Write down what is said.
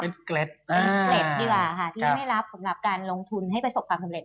เป็นเกล็ดเกล็ดดีกว่าค่ะที่ไม่รับสำหรับการลงทุนให้ประสบความสำเร็